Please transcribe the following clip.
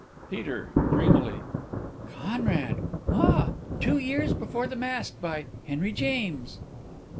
PETER: (Dreamily) "Conrad," ah! "Two Years Before the Mast," by Henry James.